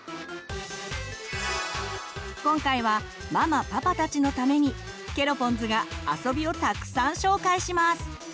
今回はママパパたちのためにケロポンズが遊びをたくさん紹介します！